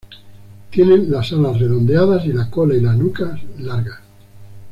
Tienen las alas redondeadas y la cola y la nuca largas.